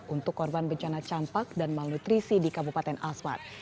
untuk korban bencana campak dan malnutrisi di kabupaten asmat